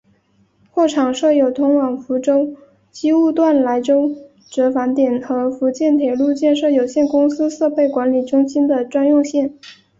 货场设有通往福州机务段来舟折返点和福建铁路建设有限公司设备管理中心的专用线。